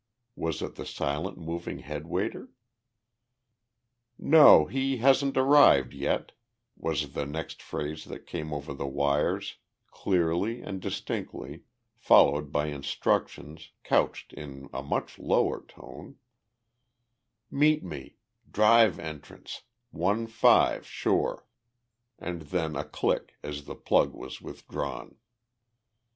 Was it the silent moving head waiter? "No, he hasn't arrived yet," was the next phrase that came over the wires, clearly and distinctly, followed by instructions, couched in a much lower tone, "Meet me, Drive entrance, one five sure," and then a click as the plug was withdrawn.